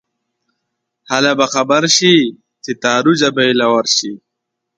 هله به خبر شې چې تارو جبې له ورشې